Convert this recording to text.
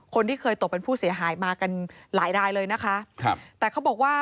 คนที่เคยตกเป็นผู้เสียหายมากันหลายรายเลยนะคะครับแต่เขาบอกว่า